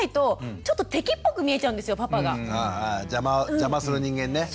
邪魔する人間ね。